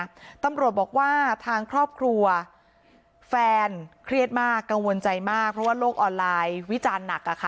ตำรวจบอกว่าทางครอบครัวแฟนเครียดมากกังวลใจมากเพราะว่าโลกออนไลน์วิจารณ์หนักอะค่ะ